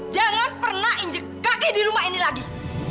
jangan pernah injek kakek di rumah ini lagi